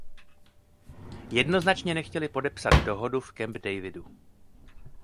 Jednoznačně nechtěli podepsat dohodu v Camp Davidu.